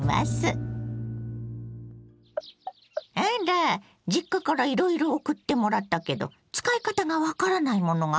あら実家からいろいろ送ってもらったけど使い方が分からないものがあるって？